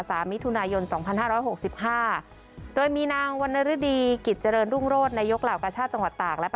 สามิธุนายนสองพันห้าร้อยหกสิบห้า